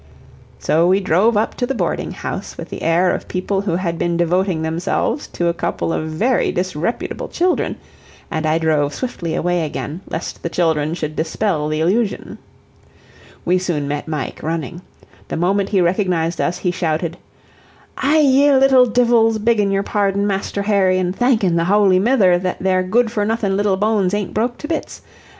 So we drove up to the boarding house with the air of people who had been devoting themselves to a couple of very disreputable children, and I drove swiftly away again, lest the children should dispel the illusion. We soon met Mike, running. The moment he recognized us, he shouted: "Aye, ye little dhivils, beggin' yer pardon, Masther Harry, an' thankin' the Howly Mither that their good for nothin' little bones ain't broke to bits.